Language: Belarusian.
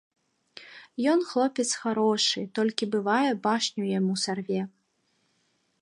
Ён хлопец харошы, толькі бывае, башню яму сарве.